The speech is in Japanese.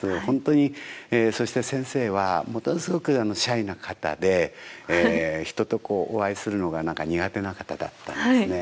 そして先生はものすごくシャイな方で人とお会いするのが苦手な方だったんですね。